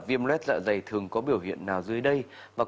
viêm lết dạ dày thường có biểu hiện nào dưới đây